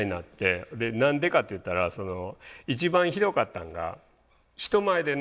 何でかっていったら一番ひどかったんが人前でね